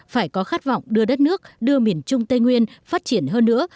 phải có khát vọng đưa đất nước đưa miền trung tây nguyên phát triển hơn nữa